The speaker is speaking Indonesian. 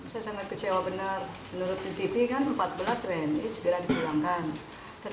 saya sangat kecewa benar